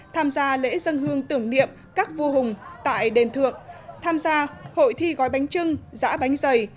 tham gia lễ dân hương tưởng niệm các vua hùng tại đền thượng tham gia hội thi gói bánh trưng giã bánh dày